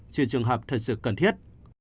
chuyện trường hợp thật sự cần thiết